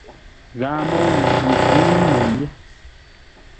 Ghaa môu yi n nkǒŋ no yé.